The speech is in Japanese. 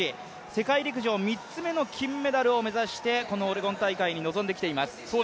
世界陸上３つ目の金メダルを目指してこのオレゴン大会に臨んできています。